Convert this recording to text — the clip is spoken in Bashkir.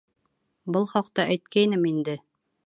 Был хаҡта әйткәйнем инде.